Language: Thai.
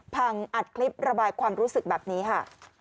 อัดคลิประบายความรู้สึกแบบนี้ค่ะ